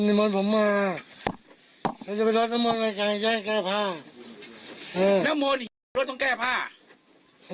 มีมนต์ผมมาฉันจะไปรับน้ำมนต์มาแก้แก้ผ้าอืมน้ำมนต์รถต้องแก้ผ้า